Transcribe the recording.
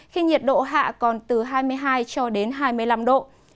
khi nhiệt độ hạ còn từ hai mươi hai cho đến hai mươi năm độ